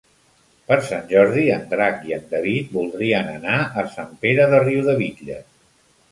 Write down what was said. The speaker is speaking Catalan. Per Sant Jordi en Drac i en David voldrien anar a Sant Pere de Riudebitlles.